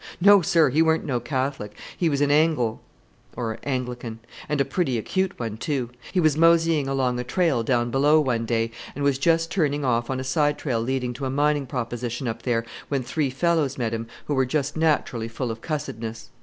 '" "No, sir; he weren't no Catholic; he was an Angle (Anglican) and a pretty acute one, too. He was moseying along a trail down below one day, and was just turning off on a side trail leading to a mining proposition up there, when three fellows met him, who were just naturally full of cussedness.